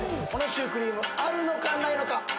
このシュークリームあるのか？